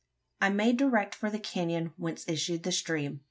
I made direct for the canon whence issued the stream.